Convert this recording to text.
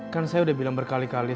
kan saya udah bilang berkali kali